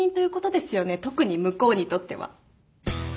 特に向こうにとっては。